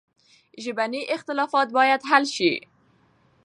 ژبني اختلافات باید حل سي.